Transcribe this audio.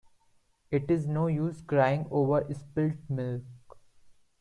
It is no use crying over spilt milk.